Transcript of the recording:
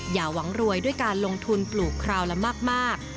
อย่าหวังรวยด้วยการลงทุนปลูกคราวละมาก